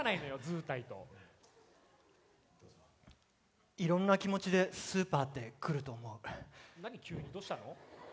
ずうたいといろんな気持ちでスーパーって来ると思う何急にどうしたの？